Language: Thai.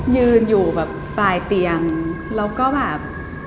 ยืนอยู่แบบปลายเตียงแล้วก็แบบ